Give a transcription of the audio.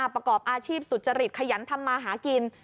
ประกอบอาชีพสุจริตขยันทำมาหากิน